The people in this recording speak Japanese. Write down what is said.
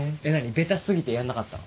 ベタ過ぎてやんなかったの？